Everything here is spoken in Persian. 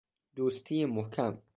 دوستی محکم